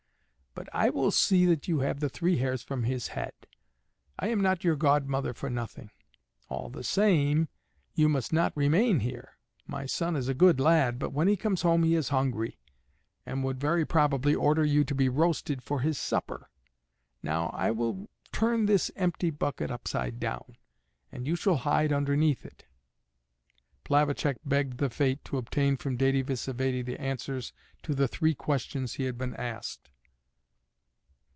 But I will see that you have the three hairs from his head; I am not your godmother for nothing. All the same you must not remain here. My son is a good lad, but when he comes home he is hungry, and would very probably order you to be roasted for his supper. Now I will turn this empty bucket upside down, and you shall hide underneath it." Plavacek begged the Fate to obtain from Dède Vsévède the answers to the three questions he had been asked.